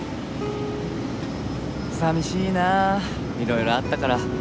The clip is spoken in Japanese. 寂しいなあいろいろあったから。